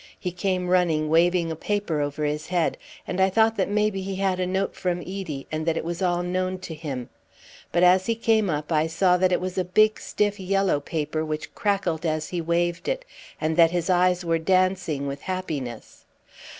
He came running, waving a paper over his head; and I thought that maybe he had a note from Edie, and that it was all known to him. But as he came up I saw that it was a big, stiff, yellow paper which crackled as he waved it, and that his eyes were dancing with happiness.